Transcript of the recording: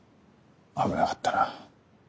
危なかったな。